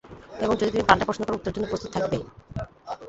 এবং যদি তুমি পাল্টা প্রশ্ন করো, উত্তরের জন্য প্রস্তুত থাকবে।